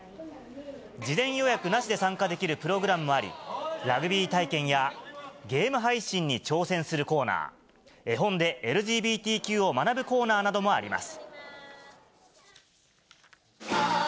事前予約なしで参加できるプログラムもあり、ラグビー体験やゲーム配信に挑戦するコーナー、絵本でＬＧＢＴＱを学ぶコーナーなどもあります。